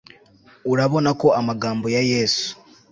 urabona ko amagambo ya yesu